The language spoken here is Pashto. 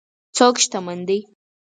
څوک شتمن دی.